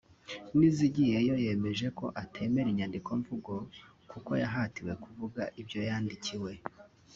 Nizigiyeyo yemeje ko atemera inyandikomvugo kuko yahatiwe kuvuga ibyo yandikiwe